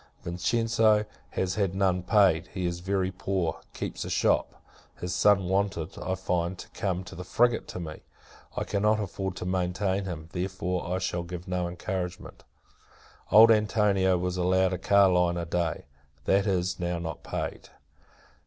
Vincenzo has had none paid. He is very poor; keeps a shop. His son wanted, I find, to come in the frigate to me. I cannot afford to maintain him; therefore, I shall give no encouragement. Old Antonio was allowed a carline a day; that is, now, not paid.